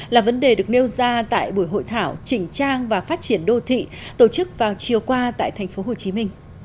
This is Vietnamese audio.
là vấn đề được nêu ra tại buổi hội thảo chỉnh trang và phát triển đô thị tổ chức vào chiều qua tại tp hcm